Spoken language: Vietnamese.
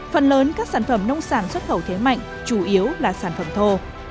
phần lớn các sản phẩm nông sản xuất khẩu thế mạnh chủ yếu là sản phẩm thô